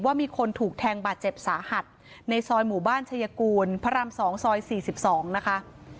มีคนถูกแทงบาดเจ็บสาหัสในซอยหมู่บ้านชายกูลพระราม๒ซอย๔๒นะคะ